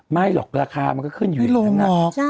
ไม่หรอกราคามันก็ขึ้นอยู่ไม่ลงหรอก